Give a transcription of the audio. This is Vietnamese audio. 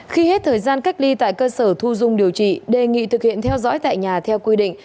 khi hết thời gian cách ly tại cơ sở thu dung điều trị đề nghị thực hiện theo dõi tại nhà theo quy định